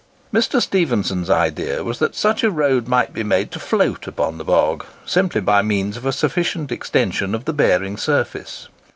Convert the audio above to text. Mr. Stephenson's idea was, that such a road might be made to float upon the bog, simply by means of a sufficient extension of the bearing surface.